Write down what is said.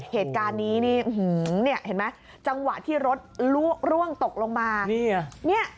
เหตุการณ์นี้นี่เห็นไหมจังหวะที่รถลุร่วงตกลงมานี่ไง